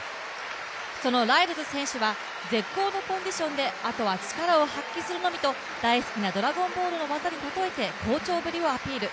ライルズ選手は絶好のコンディションで、あとは力を発揮するのみと大好きな「ドラゴンボール」の技に例えて好調ぶりをアピール。